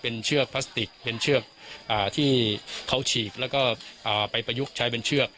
เป็นเชือกพลาสติกเป็นเชือกที่เขาฉีกแล้วก็ไปประยุกต์ใช้เป็นเชือก